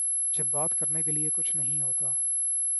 جب بات کرنے کیلئے کچھ نہیں ہوتا۔